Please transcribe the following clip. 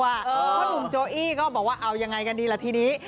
เพราะหนุ่มโจอี้ก็บอกว่าเอายังไงกันดีล่ะทีนี้